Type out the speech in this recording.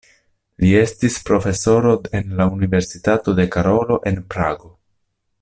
Li estis profesoro en la Universitato de Karolo en Prago.